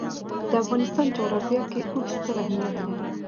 د افغانستان جغرافیه کې اوښ ستر اهمیت لري.